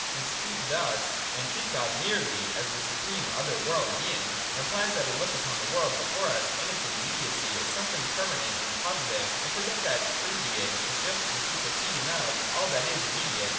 To speak thus, and treat God merely as the supreme other world Being, implies that we look upon the world before us in its immediacy as something permanent and positive, and forget that true Being is just the superseding of all that is immediate.